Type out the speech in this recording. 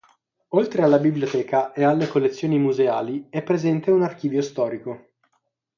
Oltre alla biblioteca e alle collezioni museali è presente un archivio storico.